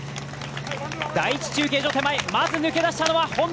第１中継所手前、まず抜け出したのはＨｏｎｄａ。